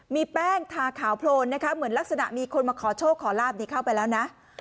มีแป้งทาขาวโพลนนะคะเหมือนลักษณะมีคนมาขอโชคขอลาบนี้เข้าไปแล้วนะ